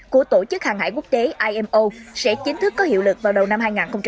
của tổ chức hàng hải quốc tế imo sẽ chính thức có hiệu lực vào đầu năm hai nghìn hai mươi